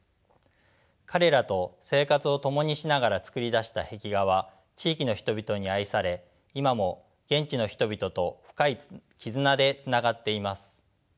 彼らと生活を共にしながら作り出した壁画は地域の人々に愛され今も現地の人々と深い絆でつながっています。